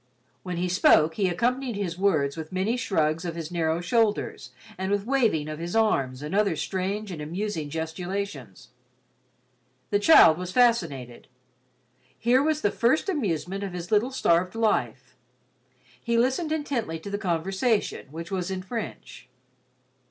When he spoke, he accompanied his words with many shrugs of his narrow shoulders and with waving of his arms and other strange and amusing gesticulations. The child was fascinated. Here was the first amusement of his little starved life. He listened intently to the conversation, which was in French.